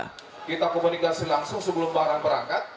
kita komunikasi langsung sebelum barang berangkat